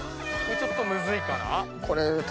ちょっとむずいかな。